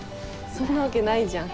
そんなわけないじゃん。